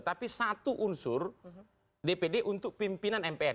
tapi satu unsur dpd untuk pimpinan mpr